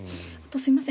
すいません